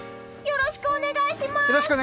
よろしくお願いします！